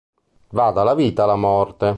Va dalla vita alla morte.